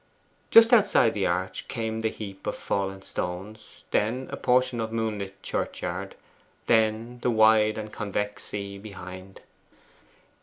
Just outside the arch came the heap of fallen stones, then a portion of moonlit churchyard, then the wide and convex sea behind.